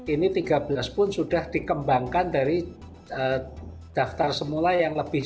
ini tiga belas pun sudah dikembangkan dari daftar semula yang lebih